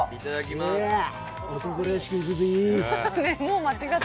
男らしくいくぜ。